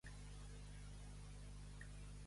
De quilla a perilla.